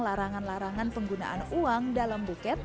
larangan larangan penggunaan uang dalam buket